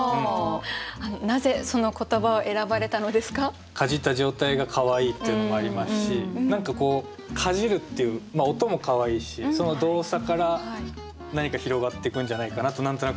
かじった状態がかわいいっていうのもありますし何かこうかじるっていう音もかわいいしその動作から何か広がってくんじゃないかなと何となく思って。